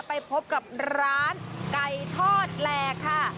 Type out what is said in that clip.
ไปพบกับร้านไก่ทอดแหลกค่ะ